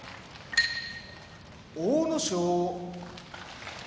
阿武咲